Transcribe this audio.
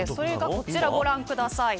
こちらご覧ください。